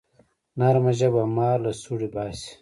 نرمه ژبه مار له سوړي باسي